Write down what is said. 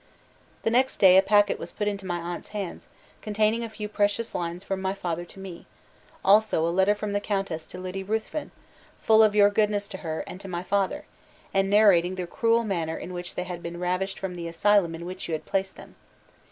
"The next day a packet was put into my aunt's hands, containing a few precious lines from my father to me, also a letter from the countess to Lady Ruthven, full of your goodness to her and to my father, and narrating the cruel manner in which they had been ravished from the asylum in which you had placed them.